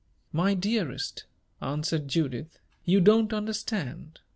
"My dearest," answered Judith, "you don't understand.